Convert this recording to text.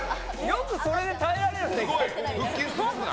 よくそれで耐えられるね逆に。